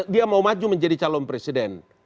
dia mau maju menjadi calon presiden